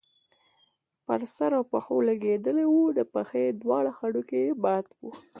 په سر او پښو لګېدلی وو، د پښې دواړه هډوکي يې مات وو